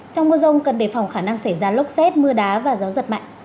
trong mưa rông cần đề phòng khả năng xảy ra lốc xét mưa đá và gió giật mạnh